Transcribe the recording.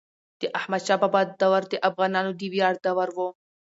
د احمد شاه بابا دور د افغانانو د ویاړ دور و.